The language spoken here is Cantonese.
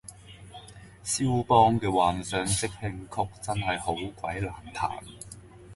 蕭邦嘅幻想即興曲真係好鬼難彈